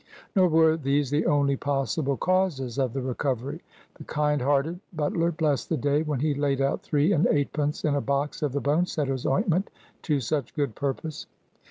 Nor were these the only possible causes of the recovery. The kind hearted butler blessed the day when he laid out three and eightpence in a box of the bone setter's ointment, to such good purpose.